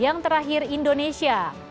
yang terakhir indonesia